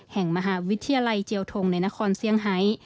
แห่งมหาวิทยาลัยเจียวทงในนครเซี่ยงไฮ